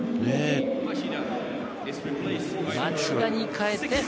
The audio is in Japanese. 町田に代えて。